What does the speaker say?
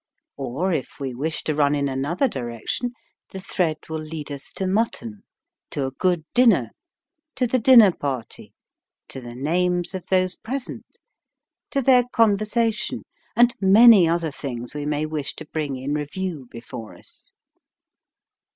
Or, if we wish to run in another direction, the thread will lead us to mutton, to a good din ner; to the dinner party; to the names of those present; to their conversa tion; and many other things we may wish to bring in review before us.